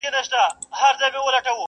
چي ټولنه لا هم له ژورو ستونزو سره مخ ده.